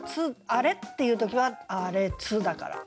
「あれっ」っていう時は「あれつ」だから。